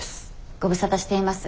ご無沙汰しています。